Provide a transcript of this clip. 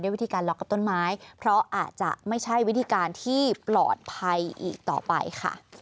วิธีการล็อกกับต้นไม้เพราะอาจจะไม่ใช่วิธีการที่ปลอดภัยอีกต่อไปค่ะ